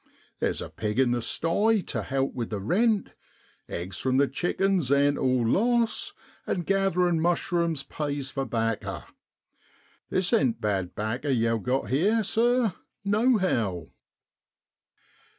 There's a pig in the sty tu help with the rent, eggs from the chickens ain't all loss, and gatherin' mush rumes pays for 'bacca. This ain't bad 'bacca yow've got here, sir, nohow!'